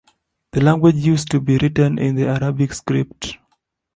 The language used to be written in the Arabic script.